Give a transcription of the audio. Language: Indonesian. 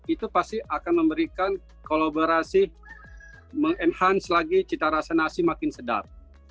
itu pasti akan memberikan kolaborasi meng enhance lagi cita rasa nasi makin sedap